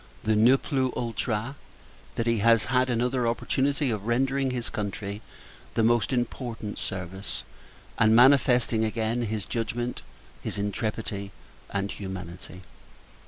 the "Ne plus ultra!" that he has had another opportunity of rendering his country the most important service; and manifesting, again, his judgment, his intrepidity, and humanity.